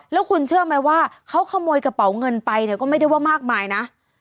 แล้วคุณเชื่อไหมว่าเขาขโมยกระเป๋าเงินไปเนี่ยก็ไม่ได้ว่ามากมายนะ